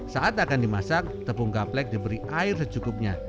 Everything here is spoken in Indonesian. saat akan dimasak tepung gaplek diberi air secukupnya